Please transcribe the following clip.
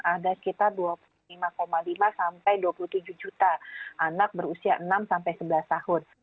ada sekitar dua puluh lima lima sampai dua puluh tujuh juta anak berusia enam sampai sebelas tahun